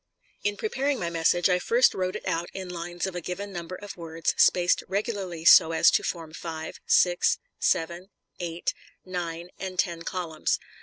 In preparing my message I first wrote it out in lines of a given number of words, spaced regularly so as to form five, six, seven, eight, nine, and ten columns.